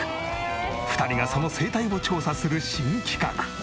２人がその生態を調査する新企画。